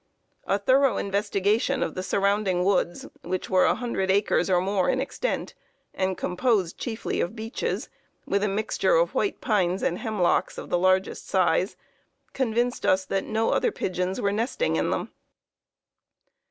A thorough investigation of the surrounding woods, which were a hundred acres or more in extent, and composed chiefly of beeches, with a mixture of white pines and hemlocks of the largest size, convinced us that no other pigeons were nesting in them.